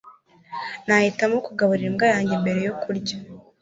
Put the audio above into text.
nahitamo kugaburira imbwa yanjye mbere yo kurya